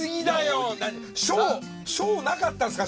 小なかったんですか？